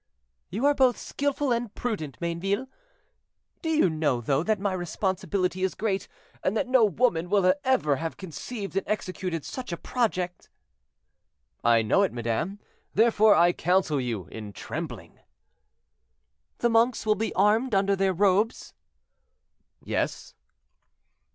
'" "You are both skillful and prudent, Mayneville. Do you know, though, that my responsibility is great, and that no woman will ever have conceived and executed such a project?" "I know it, madame; therefore I counsel you in trembling." "The monks will be armed under their robes?" "Yes."